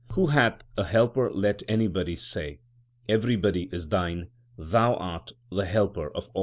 Who hath a helper let anybody say. Everybody is Thine ; Thou art the helper of all.